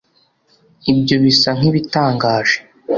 ibyo bisa nkibitangaje